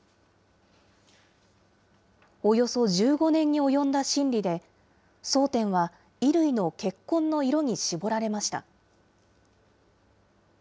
およそ１５年に及んだ審理で、争点は衣類の血痕の色に絞られました。